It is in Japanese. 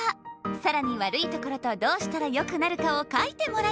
更にわるいところとどうしたらよくなるかを書いてもらいます